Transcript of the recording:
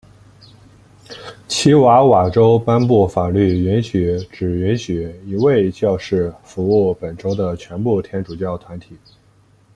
奇瓦瓦州颁布法律允许只允许一位教士服务本州的全部天主教团体。